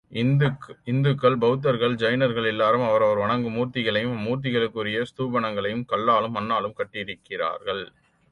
இந்துக்கள், பெளத்தர்கள், ஜைனர்கள் எல்லோரும் அவரவர் வணங்கும் மூர்த்திகளையும் அம்மூர்த்திகளுக்கு உரிய ஸ்தூபங்களையும் கல்லாலும் மண்ணாலும் கட்டியிருக்கிறார்கள்.